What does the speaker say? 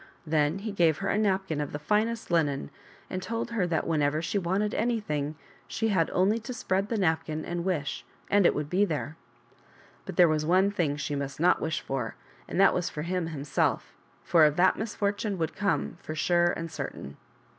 Then he gave her a napkin of the finest linen, and told her that whenever she wanted anything, she had only to spread the napkin and wish and it would be there. But there was one thing she must not wish for, and that was for him himself, for of that misfortune would come for sure and certain.